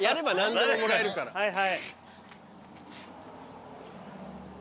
はいはい。